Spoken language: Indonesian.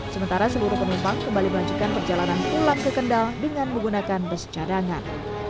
sementara seluruh penumpang kembali melanjutkan perjalanan pulang ke kendal dengan menggunakan bus cadangan